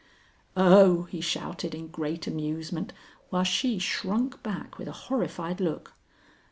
"Oh!" he shouted in great amusement, while she shrunk back with a horrified look.